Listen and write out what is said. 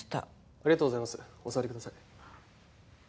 ありがとうございますお座りください。